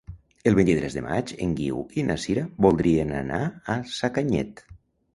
El vint-i-tres de maig en Guiu i na Sira voldrien anar a Sacanyet.